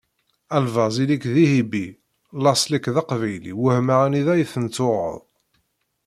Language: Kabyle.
A lbaz ili-k d ihibi, laṣel-ik d aqbayli wehmeɣ anida i ten-tuɣeḍ?